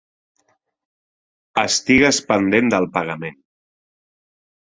Estigues pendent del pagament.